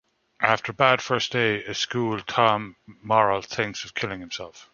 After a bad first day a school, Tom Morell thinks of killing himself.